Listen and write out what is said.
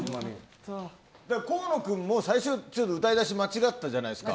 河野君も最初、歌い出し間違えたじゃないですか。